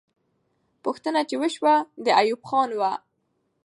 پوښتنه چې وسوه، د ایوب خان وه.